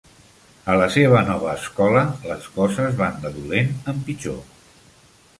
A la seva nova escola, les coses van de dolent en pitjor.